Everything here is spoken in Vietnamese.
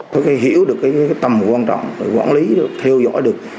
phải hiểu được tầm quan trọng quản lý theo dõi được